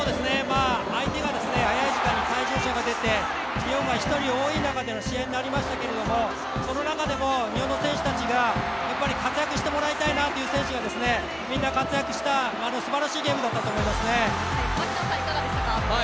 相手が早い時間に退場者が出て、日本は１人多い中での試合になりましたけど、その中でも日本の選手たちが活躍してもらいたいなという選手たちが、みんな活躍した、すばらしいゲームだったと思いますね。